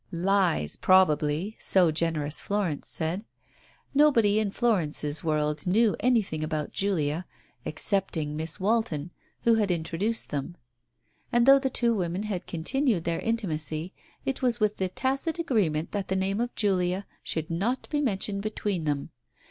Lies probably, so generous Florence said. Nobody in Florence's world knew any thing about Julia excepting Miss Walton, who had introduced them. And though the two women had con tinued their intimacy, it was with the tacit agreement that the name of Julia should not be mentioned between them.